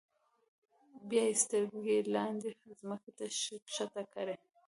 بیا یې سترګې لاندې ځمکې ته ښکته کړې.